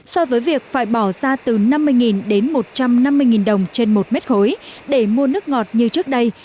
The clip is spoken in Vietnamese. so với việc phải bỏ ra từ năm mươi đến một trăm năm mươi đồng trên một mét khối để mua nước ngọt như trước đây